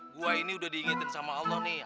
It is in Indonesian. gue ini udah diingetin sama allah nih